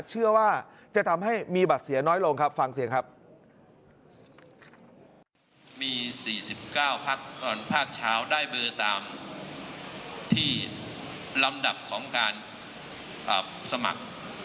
เชื่อว่าจะทำให้มีบัตรเสียน้อยลงครับฟังเสียงครับ